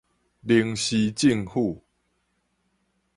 零時政府